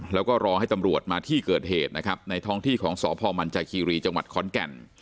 แล้วก็รอให้ตำรวจมาที่เกิดเหตุนะครับในท้องที่ของสพมันจาคีรีจังหวัดขอนแก่น